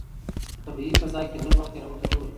په طبیعي فضا کې لږ وخت تېرول ګټور دي.